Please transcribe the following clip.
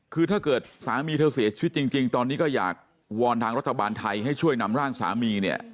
คือถ้าเกิดสามีเธอเสียชีวิตจริงตอนนี้ก็อยากวอนทางรัฐบาลไทยให้ช่วยนำร่างสามีเนี่ย